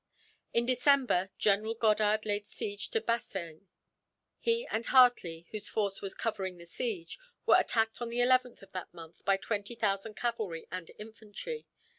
In December, General Goddard laid siege to Bassein. He and Hartley, whose force was covering the siege, were attacked on the 11th of that month by twenty thousand cavalry and infantry.